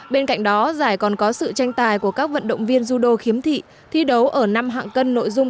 bên cạnh đó giải còn có sự tranh tài của các vận động viên dudo khiếm thị thi đấu ở năm hạng cân nội dung